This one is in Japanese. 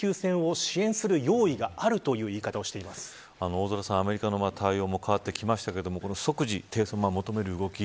大空さん、アメリカの対応も変わってきましたけど即時、停戦を求める動き